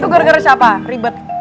itu gara gara siapa ribet